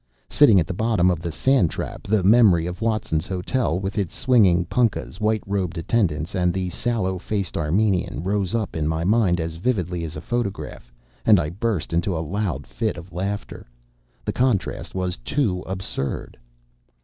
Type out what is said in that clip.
Sitting at the bottom of the sand trap, the memory of Watson's Hotel, with its swinging punkahs, white robed attendants, and the sallow faced Armenian, rose up in my mind as vividly as a photograph, and I burst into a loud fit of laughter. The contrast was too absurd!